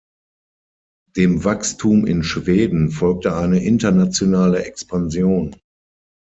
Dem Wachstum in Schweden folgte eine internationale Expansion.